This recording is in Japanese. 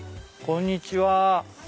こんにちは。